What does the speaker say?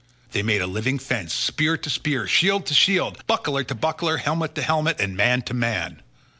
They made a living fence, spear to spear, shield to shield, buckler to buckler, helmet to helmet, and man to man.